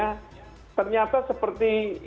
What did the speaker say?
karena ternyata seperti